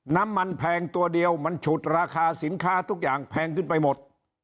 แพงตัวเดียวมันฉุดราคาสินค้าทุกอย่างแพงขึ้นไปหมด